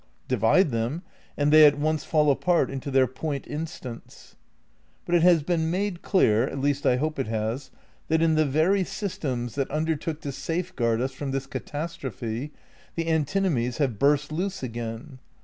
Divide them and they at once fall apart into their point instants. But it has been made clear (at least I hope it has) that in the very systems that undertook to safeguard us from this catastrophe, the antinomies have burst loose again.